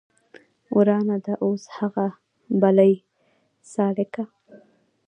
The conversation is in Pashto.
ورانه ده اوس هغه بلۍ سالکه